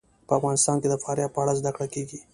په افغانستان کې د فاریاب په اړه زده کړه کېږي.